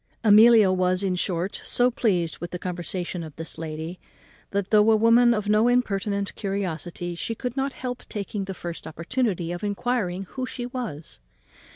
Amelia was in short so pleased with the conversation of this lady, that, though a woman of no impertinent curiosity, she could not help taking the first opportunity of enquiring who she was.